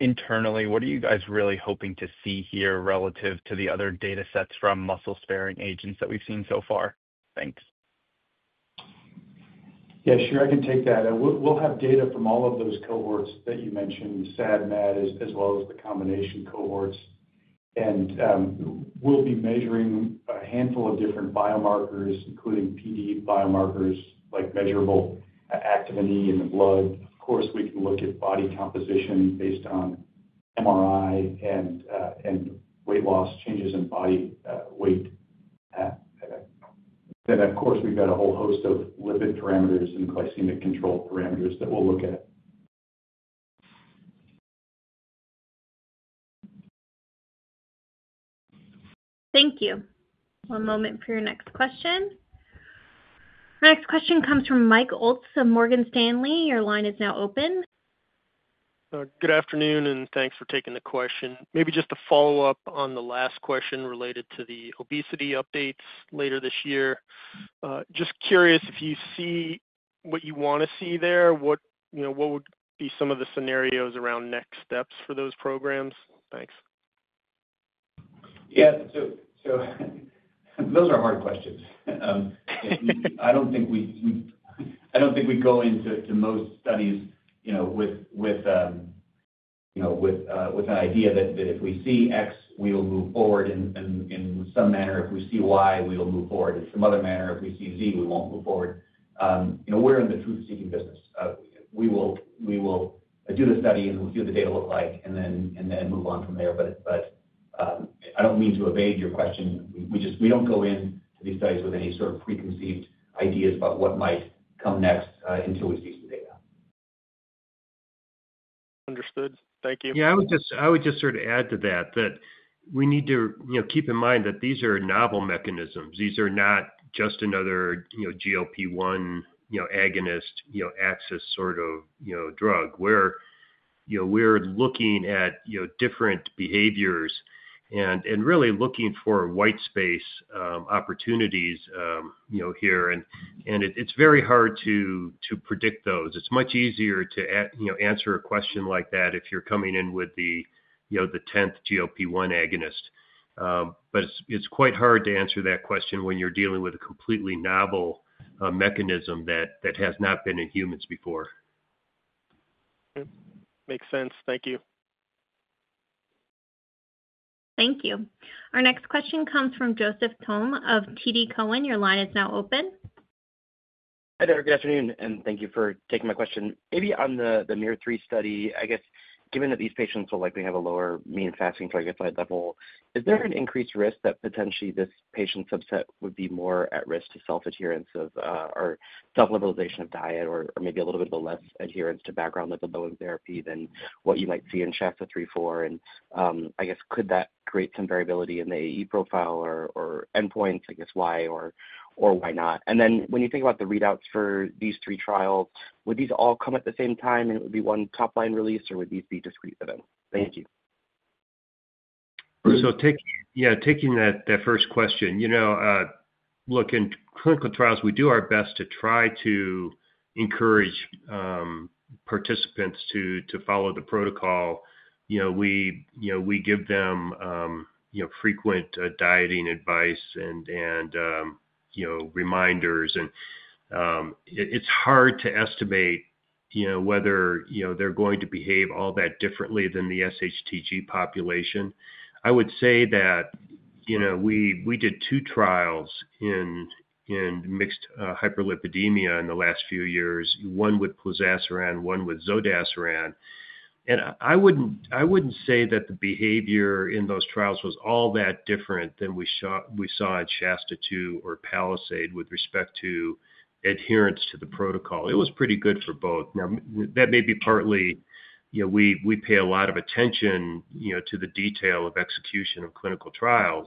Internally, what are you guys really hoping to see here relative to the other datasets from muscle-sparing agents that we've seen so far? Thanks. Sure, I can take that. We'll have data from all of those cohorts that you mentioned, SAD and MAD, as well as the combination cohorts. We'll be measuring a handful of different biomarkers, including PD biomarkers like measurable activity in the blood. Of course, we can look at body composition based on MRI and weight loss changes in body weight. Of course, we've got a whole host of lipid parameters and glycemic control parameters that we'll look at. Thank you. One moment for your next question. Our next question comes from Mike Ulz from Morgan Stanley. Your line is now open. Good afternoon, and thanks for taking the question. Maybe just a follow-up on the last question related to the obesity updates later this year. Just curious if you see what you want to see there, what would be some of the scenarios around next steps for those programs? Thanks. Those are hard questions. I don't think we go into most studies with the idea that if we see X, we will move forward, and in some manner, if we see Y, we will move forward. In some other manner, if we see Z, we won't move forward. We're in the truth-seeking business. We will do the study, see what the data looks like, and then move on from there. I don't mean to evade your question. We just don't go into these studies with any sort of preconceived ideas about what might come next until we see some data. Understood. Thank you. I would just sort of add to that that we need to keep in mind that these are novel mechanisms. These are not just another GLP-1 agonist access sort of drug. We're looking at different behaviors and really looking for white space opportunities here. It's very hard to predict those. It's much easier to answer a question like that if you're coming in with the 10th GLP-1 agonist. It's quite hard to answer that question when you're dealing with a completely novel mechanism that has not been in humans before. Makes sense. Thank you. Thank you. Our next question comes from Joseph Thome of TD Cowen. Your line is now open. Hi. Good afternoon, and thank you for taking my question. Maybe on the MUIR-3 study, I guess, given that these patients will likely have a lower mean fasting triglyceride level, is there an increased risk that potentially this patient subset would be more at risk to self-adherence or self-limitation of diet or maybe a little bit of a less adherence to background lipid-lowering therapy than what you might see in SHASTA-3 and SHASTA-4? Could that create some variability in the AE profile or endpoints? I guess, why or why not? When you think about the readouts for these three trials, would these all come at the same time and it would be one top-line release, or would these be discrete events? Thank you. Taking that first question, in clinical trials, we do our best to try to encourage participants to follow the protocol. We give them frequent dieting advice and reminders. It's hard to estimate whether they're going to behave all that differently than the SHTG population. I would say that we did two trials in mixed hyperlipidemia in the last few years, one with plozasiran and one with zodasiran. I wouldn't say that the behavior in those trials was all that different than we saw in SHASTA-2 or PALISADE with respect to adherence to the protocol. It was pretty good for both. That may be partly because we pay a lot of attention to the detail of execution of clinical trials.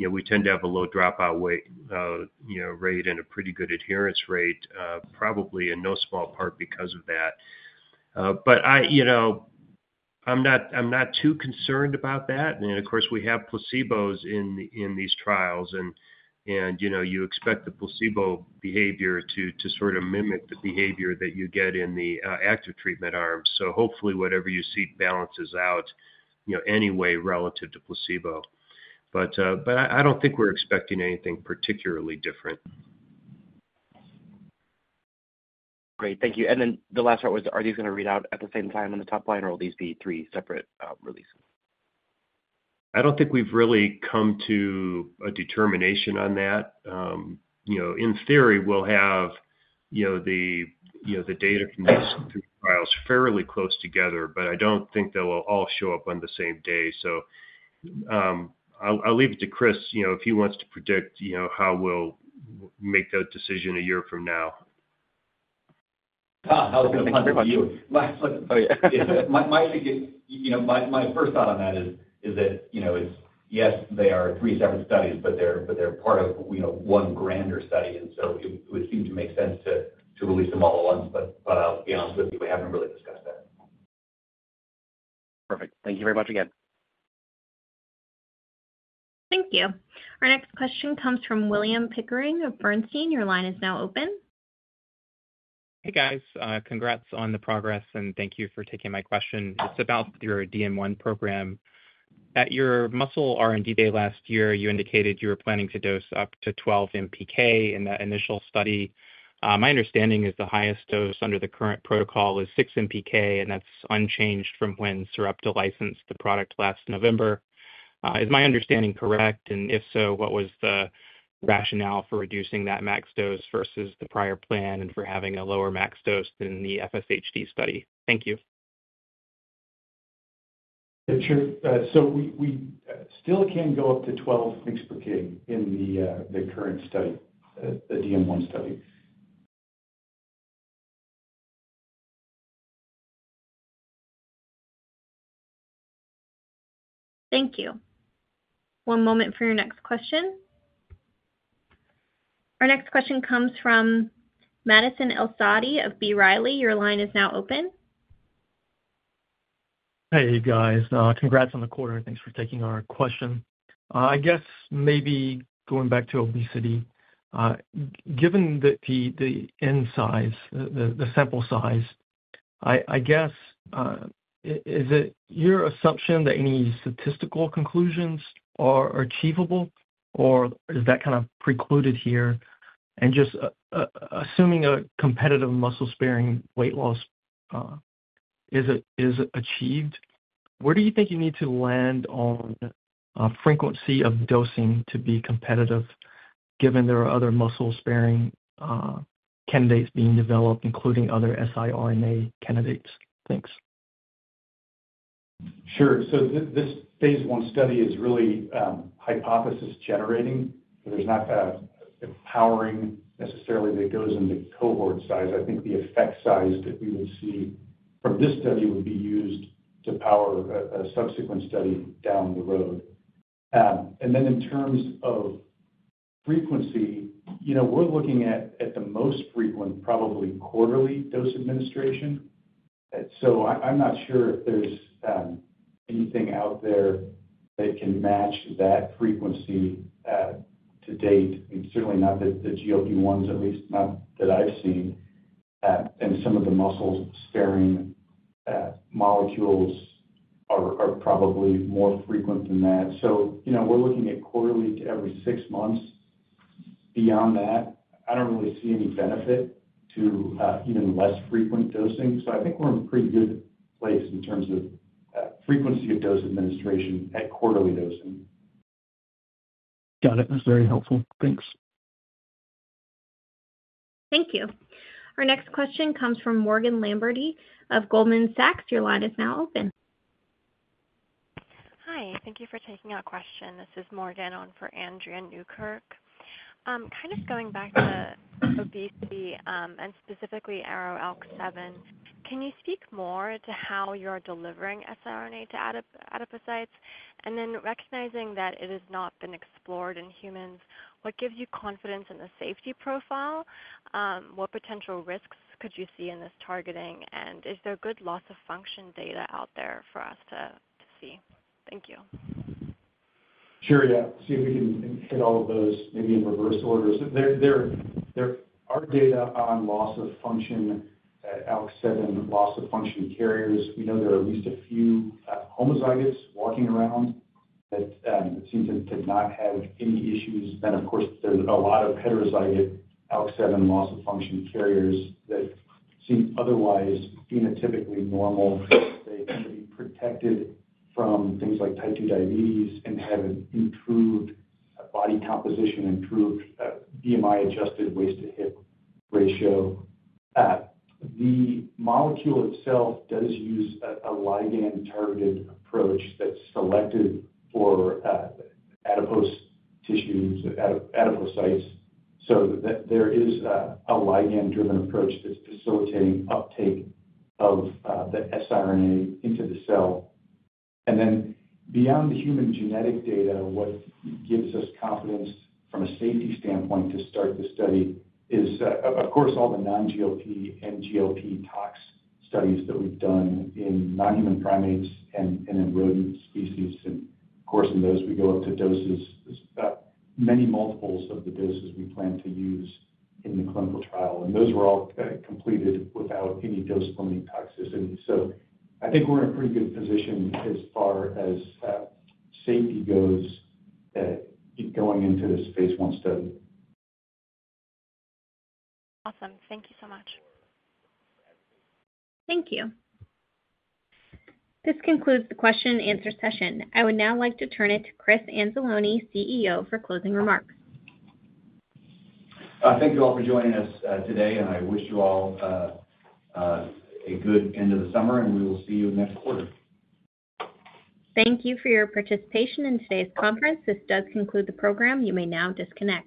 We tend to have a low dropout rate and a pretty good adherence rate, probably in no small part because of that. I'm not too concerned about that. Of course, we have placebos in these trials, and you expect the placebo behavior to sort of mimic the behavior that you get in the active treatment arm. Hopefully, whatever you see balances out anyway relative to placebo. I don't think we're expecting anything particularly different. Great. Thank you. The last part was, are these going to read out at the same time in the top line, or will these be three separate releases? I don't think we've really come to a determination on that. In theory, we'll have the data from these three trials fairly close together, but I don't think they will all show up on the same day. I'll leave it to Chris if he wants to predict how we'll make that decision a year from now. I'll jump in. My first thought on that is that, yes, they are three separate studies, but they're part of one grander study. It would seem to make sense to release them all at once. I'll be honest with you, we haven't really discussed it. Perfect. Thank you very much again. Thank you. Our next question comes from William Pickering of Bernstein. Your line is now open. Hey, guys. Congrats on the progress, and thank you for taking my question. It's about your DM1 program. At your muscle R&D day last year, you indicated you were planning to dose up to 12 mpK in that initial study. My understanding is the highest dose under the current protocol is 6 mpK, and that's unchanged from when Sarepta licensed the product last November. Is my understanding correct? If so, what was the rationale for reducing that max dose versus the prior plan and for having a lower max dose than the FSHD study? Thank you. Sure. We still can go up to 12 mg/kg in the current study, the DM1 study. Thank you. One moment for your next question. Our next question comes from Madison Elsaadi of B. Riley. Your line is now open. Hey, guys. Congrats on the quarter. Thanks for taking our question. I guess maybe going back to obesity, given that the n size, the sample size, is it your assumption that any statistical conclusions are achievable, or is that kind of precluded here? Just assuming a competitive muscle-sparing weight loss is achieved, where do you think you need to land on a frequency of dosing to be competitive, given there are other muscle-sparing candidates being developed, including other siRNA candidates? Thanks. Sure. This phase-one study is really hypothesis generating. There's not a powering necessarily that goes in the cohort size. I think the effect size that we will see from this study would be used to power a subsequent study down the road. In terms of frequency, we're looking at the most frequent, probably quarterly dose administration. I'm not sure if there's anything out there that can match that frequency to date. It's certainly not the GLP-1s, at least not that I've seen. Some of the muscle-sparing molecules are probably more frequent than that. We're looking at quarterly to every six months. Beyond that, I don't really see any benefit to even less frequent dosing. I think we're in a pretty good place in terms of frequency of dose administration at quarterly dosing. Got it. That's very helpful. Thanks. Thank you. Our next question comes from Morgan Lamberti of Goldman Sachs. Your line is now open. Hi. Thank you for taking that question. This is Morgan on for Andrea Newkirk. Kind of going back to the obesity and specifically ARO-ALK7, can you speak more to how you are delivering siRNA to adipocytes? Recognizing that it has not been explored in humans, what gives you confidence in the safety profile? What potential risks could you see in this targeting? Is there good loss of function data out there for us to see? Thank you. Sure. See if you can hit all of those, maybe in reverse order. There are data on loss of function at ALK7, loss of function carriers. We know there are at least a few homozygous walking around that seem to not have any issues. Of course, there's a lot of heterozygous ALK7 loss of function carriers that seem otherwise phenotypically normal. They tend to be protected from things like type 2 diabetes and have an improved body composition, improved BMI-adjusted waist-to-hip ratio. The molecule itself does use a ligand-targeted approach that's selected for adipose tissues, adipocytes. There is a ligand-driven approach that's facilitating uptake of the siRNA into the cell. Beyond the human genetic data, what gives us confidence from a safety standpoint to start the study is all the non-GLP and GLP-TOX studies that we've done in non-human primates and in rodent species. In those, we go up to doses, many multiples of the doses we plan to use in the clinical trial. Those were all completed without any dose-limiting toxins. I think we're in a pretty good position as far as safety goes to keep going into this phase I study. Awesome. Thank you so much. Thank you. This concludes the question-and answer session. I would now like to turn it to Chris Anzalone, CEO, for closing remarks. Thank you all for joining us today. I wish you all a good end of the summer, and we will see you next quarter. Thank you for your participation in today's conference. This does conclude the program. You may now disconnect.